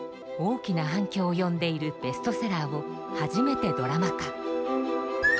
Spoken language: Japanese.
大きな反響を呼んでいるベストセラーを初めてドラマ化。